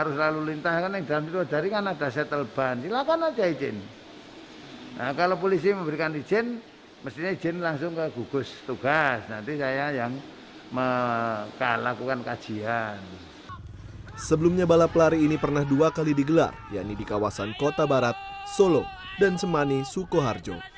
sebelumnya balap lari ini pernah dua kali digelar yaitu di kawasan kota barat solo dan semani sukoharjo